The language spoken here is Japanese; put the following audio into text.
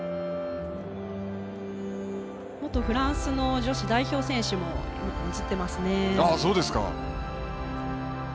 元フランスの女子代表選手も映っていますね。